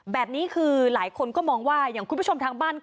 แบบนี้คือหลายคนก็มองว่าอย่างคุณผู้ชมทางบ้าน